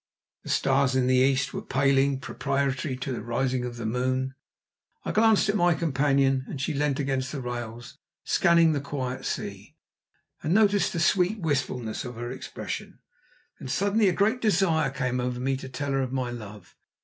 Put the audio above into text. The stars in the east were paling, preparatory to the rising of the moon. I glanced at my companion as she leant against the rails scanning the quiet sea, and noticed the sweet wistfulness of her expression. Then, suddenly, a great desire came over me to tell her of my love.